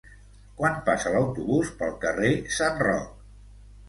Quan passa l'autobús pel carrer Sant Roc?